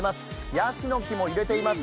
ヤシの木も揺れています。